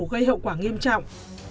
gây hậu quả nghiêm trọng